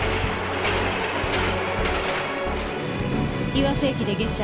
岩瀬駅で下車。